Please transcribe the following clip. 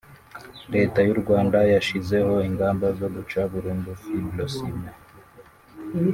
Leta y’u Rwanda yashyizeho ingamba zo guca burundu Fibrociment